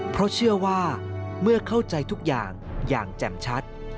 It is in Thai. เพราะเชื่อว่าเมื่อเข้าใจทุกอย่างอย่างแจ่มชัด